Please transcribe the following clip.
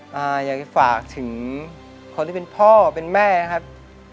อยากจะฝากถึงคนที่เป็นพ่อเป็นแม่ครับ